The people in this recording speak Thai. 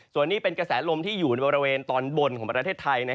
ส่วนนี้เป็นกระแสลมที่อยู่ในบริเวณตอนบนของประเทศไทย